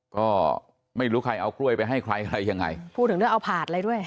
ก็ไม่รู้ใครเอากล้วยไปให้ใครอะไรยังไงพูดถึงเรื่องเอาผาดอะไรด้วย